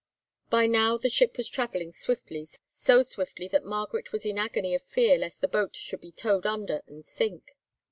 By now the ship was travelling swiftly, so swiftly that Margaret was in an agony of fear lest the boat should be towed under and sink.